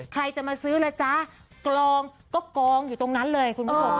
ใครจะมาซื้อเลยจ๊ะกลองก็กองอยู่ตรงนั้นเลย